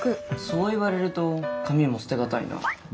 そう言われると紙も捨て難いな。